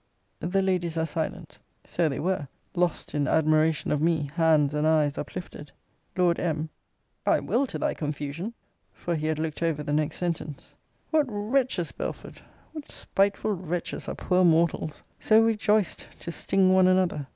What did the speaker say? The Ladies are silent. So they were; lost in admiration of me, hands and eyes uplifted. Lord M. I will, to thy confusion; for he had looked over the next sentence. What wretches, Belford, what spiteful wretches, are poor mortals! So rejoiced to sting one another!